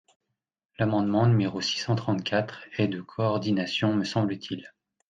L’amendement n° six cent trente-quatre est de coordination, me semble-t-il.